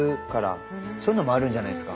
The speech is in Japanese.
そういうのもあるんじゃないすか？